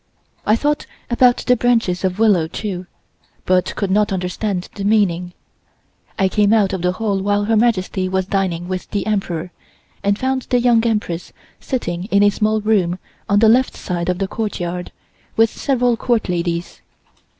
I thought about the branches of willow, too, but could not understand the meaning. I came out of the hall while Her Majesty was dining with the Emperor, and found the Young Empress sitting in a small room on the left side of the courtyard, with several Court ladies.